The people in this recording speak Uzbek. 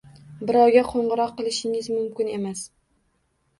Birovga qo‘ng‘iroq qilishingiz mumkin emas.